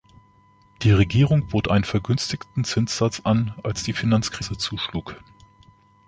Die Regierung bot einen vergünstigten Zinssatz an, als die Finanzkrise zuschlug.